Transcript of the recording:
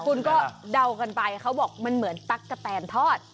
คุณก็เดากันไปเขาบอกมันเหมือนตั๊กกะแตนทอด